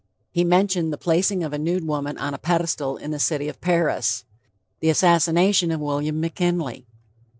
He mentioned the placing. "of a nude woman on a pedestal in the city of Paris. "the assassination of William McKinley.